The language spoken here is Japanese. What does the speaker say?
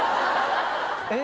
えっ。